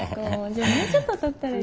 じゃあもうちょっとたったら。